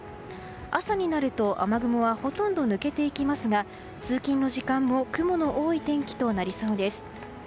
朝になると雨雲はほとんど抜けていきますが通勤の時間も雲の多い天気となりそうです。